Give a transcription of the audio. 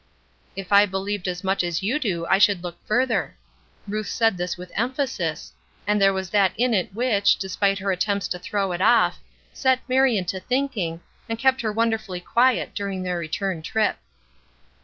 "If I believed as much as you do I should look further." Ruth said this with emphasis; and there was that in it which, despite her attempts to throw it off, set Marion to thinking, and kept her wonderfully quiet during their return trip.